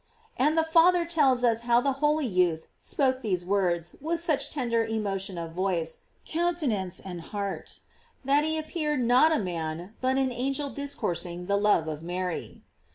" And that father tells us how the holy youth spoke these words with such tender emotion of voice, countenance, and heart, that he appeared not a man, but an angel discoursing the love of Mary.